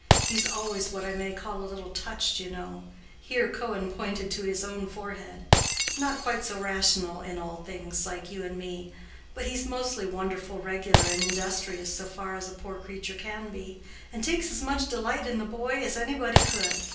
He's always what I may call a little touched, you know"—here Cohen pointed to his own forehead—"not quite so rational in all things, like you and me; but he's mostly wonderful regular and industrious so far as a poor creature can be, and takes as much delight in the boy as anybody could.